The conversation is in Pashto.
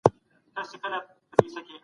صنعتي سکتور څنګه ټکنالوژۍ کاروي؟